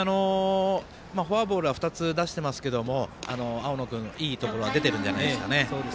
フォアボールは２つ出していますけども青野君、いいところは出てるんじゃないでしょうかね。